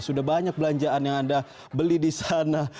sudah banyak belanjaan yang anda beli di sana